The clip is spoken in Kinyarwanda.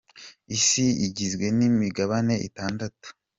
Isi igizwe nimigabane itandatu.